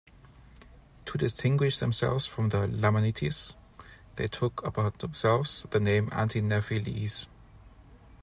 To distinguish themselves from the Lamanites, they took upon themselves the name Anti-Nephi-Lehies.